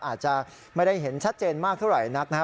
อาจจะไม่ได้เห็นชัดเจนมากเท่าไหร่นักนะครับ